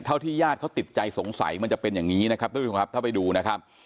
เท่าที่ญาติเขาติดใจสงสัยมันจะเป็นอย่างนี้นะครับถ้าไปดูนะครับ